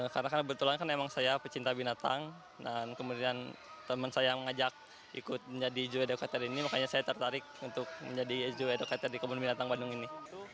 karena kan kebetulan saya pecinta binatang dan kemudian teman saya mengajak ikut menjadi zoo educator ini makanya saya tertarik untuk menjadi zoo educator di kebun binatang bandung ini